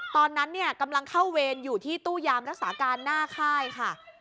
ตอนนั้นเนี่ยกำลังเข้าเวรอยู่ที่ตู้ยามรักษาการหน้าค่ายค่ะ